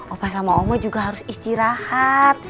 opa sama ongo juga harus istirahat